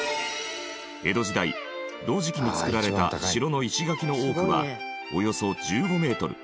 江戸時代同時期に造られた城の石垣の多くはおよそ１５メートル。